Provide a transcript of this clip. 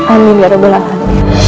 amin ya rabbal alamin